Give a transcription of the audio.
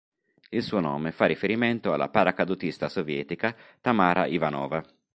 Il suo nome fa riferimento alla paracadutista sovietica Tamara Ivanova.